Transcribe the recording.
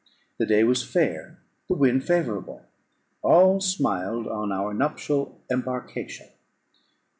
The day was fair, the wind favourable, all smiled on our nuptial embarkation.